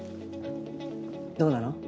どうなの？